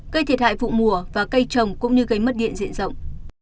gây thiệt hại vụ mùa và cây trồng cũng như gây mất điện diện rộng